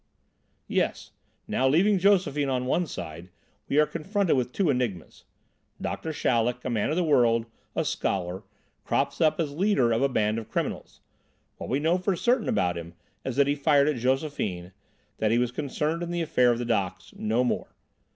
"Yes. Now, leaving Josephine on one side, we are confronted with two enigmas. Doctor Chaleck, a man of the world, a scholar, crops up as leader of a band of criminals. What we know for certain about him is that he fired at Josephine, that he was concerned in the affair of the docks no more.